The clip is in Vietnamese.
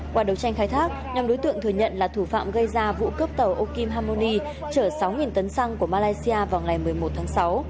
qua đấu tranh khai thác nhóm đối tượng thừa nhận là thủ phạm gây ra vụ cướp tàu okim hamoni chở sáu tấn xăng của malaysia vào ngày một mươi một tháng sáu